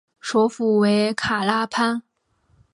首府为卡拉潘。